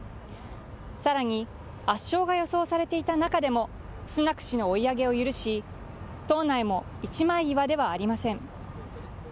さらに圧勝が予想されていた中でも、スナク氏の追い上げを許し、党内も一枚岩ではありません。